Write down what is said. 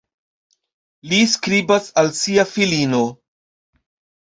Li skribas al sia filino.